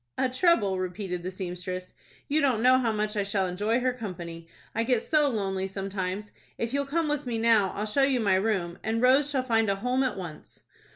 "A trouble," repeated the seamstress. "You don't know how much I shall enjoy her company. I get so lonely sometimes. If you'll come with me now, I'll show you my room, and Rose shall find a home at once."